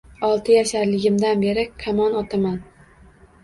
Olti yasharligimdan beri kamon otaman